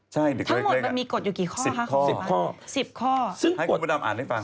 ใช่เด็กค่ะสิบข้อสิบข้อให้คุณบุญดำอ่านให้ฟัง